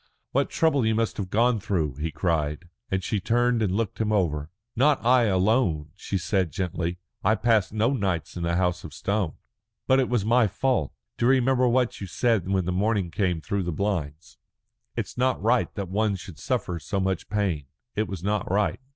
"What trouble you must have gone through!" he cried, and she turned and looked him over. "Not I alone," she said gently. "I passed no nights in the House of Stone." "But it was my fault. Do you remember what you said when the morning came through the blinds? 'It's not right that one should suffer so much pain.' It was not right."